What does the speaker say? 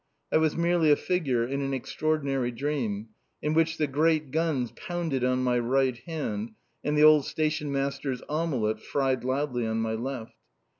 I was merely a figure in an extraordinary dream, in which the great guns pounded on my right hand, and the old stationmaster's omelette fried loudly on my left.